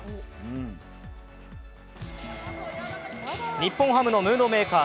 日本ハムのムードメーカー